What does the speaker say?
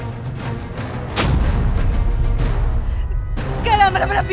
itu akibatnya kalau kau melawan kami